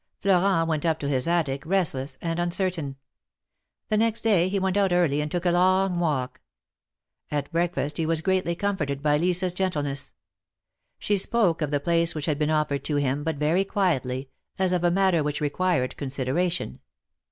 Florent went up to his attic, restless and uncertain. The next day he went out early and took a long walk. At breakfast he was greatly comforted by Lisa's gentleness. She spoke of the place which had been offered to him, but very quietly, as of a matter which required consideration.